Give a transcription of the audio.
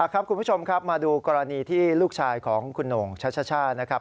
คุณผู้ชมครับมาดูกรณีที่ลูกชายของคุณโหน่งชัชช่านะครับ